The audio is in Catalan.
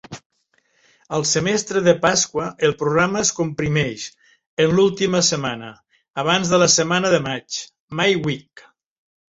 Al semestre de Pasqua, el programa es comprimeix en l'última setmana, abans de la Setmana de maig ('May Week').